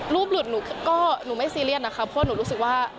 หลุดหนูก็หนูไม่ซีเรียสนะคะเพราะหนูรู้สึกว่า